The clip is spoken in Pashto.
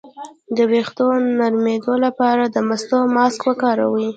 د ویښتو د نرمیدو لپاره د مستو ماسک وکاروئ